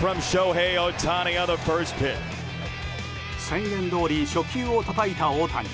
宣言どおり初球をたたいた大谷。